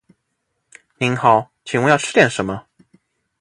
您好，请问要吃点什么？